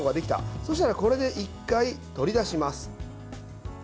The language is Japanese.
そうしたらこれで１回、取り出します。